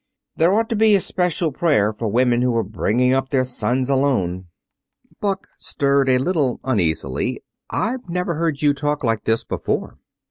There ought to be a special prayer for women who are bringing up their sons alone." Buck stirred a little uneasily. "I've never heard you talk like this before."